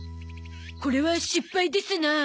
これは失敗ですなあ。